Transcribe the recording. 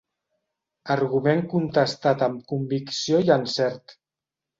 Argument contestat amb convicció i encert.